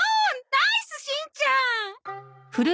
ナイスしんちゃん！